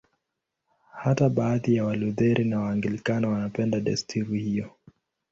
Hata baadhi ya Walutheri na Waanglikana wanapenda desturi hiyo.